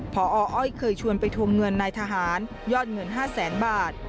พออ้อยเคยชวนไปทวงเงินนายทหารยอดเงิน๕แสนบาท